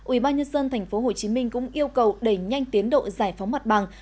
ủy ban nhân dân tp hcm cũng yêu cầu đẩy nhanh tiến độ giải phóng mặt bằng